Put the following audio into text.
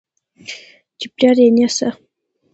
چې پلار يعنې څه؟؟!